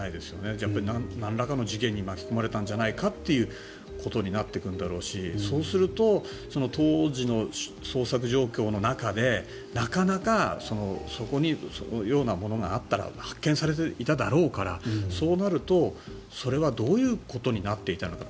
じゃあなんらかの事件に巻き込まれたんじゃないかということになってくるんだろうしそうすると当時の捜索状況の中でなかなかそこにそのようなものがあったら発見されていただろうからそうなると、それはどういうことになっていたのか。